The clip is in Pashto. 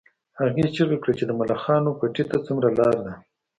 هغې چیغه کړه چې د ملخانو پټي ته څومره لار ده